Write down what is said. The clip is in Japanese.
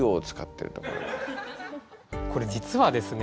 これ実はですね